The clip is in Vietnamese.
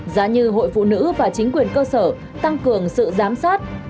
giá như hội phụ nữ và chính quyền cơ sở tăng cường sự giám sát